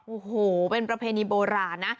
โอ้โหเป็นประเพณีโบราณนะ